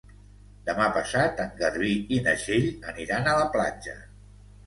Demà passat en Garbí i na Txell aniran a la platja.